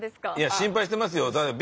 心配してますよ。